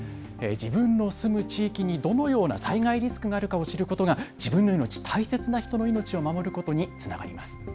自分の住む地域にどのような災害リスクがあるかを知ることが自分の命、大切な人の命を守ることにつながります。